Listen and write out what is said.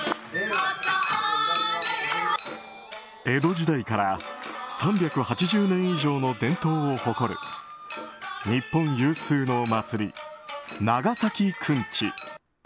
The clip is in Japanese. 江戸時代から３８０年以上の伝統を誇る日本有数の祭、長崎くんち。